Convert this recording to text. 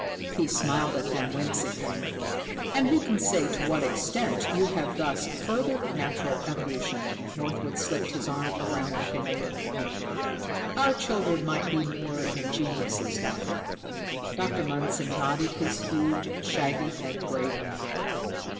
He smiled at them whimsically. "And who can say to what extent you have thus furthered natural evolution?" Northwood slipped his arm around Athalia. "Our children might be more than geniuses, Doctor!" Dr. Mundson nodded his huge, shaggy head gravely.